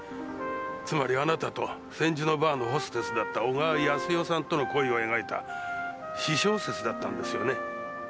つまりあなたと千住のバーのホステスだった小川康代さんとの恋を描いた私小説だったんですよね？